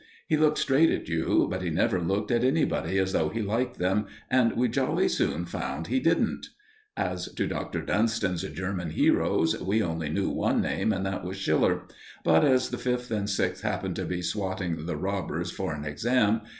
He looked straight at you, but he never looked at anybody as though he liked them, and we jolly soon found he didn't. As to Dr. Dunston's German heroes, we only knew one name, and that was Schiller; but as the Fifth and Sixth happened to be swotting "The Robbers" for an exam.